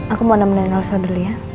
aku mau menemani elsa dulu ya